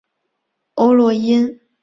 欧络因。